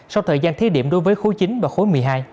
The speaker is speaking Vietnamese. sau thời gian thí điểm đối với khối chín và khối một mươi hai